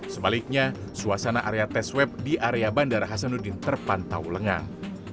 sebaliknya suasana area tes web di area bandara hasanuddin terpantau lengang